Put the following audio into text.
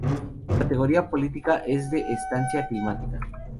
Su categoría política es de Estancia Climática.